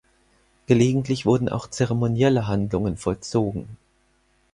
Gelegentlich wurden auch zeremonielle Handlungen vollzogen.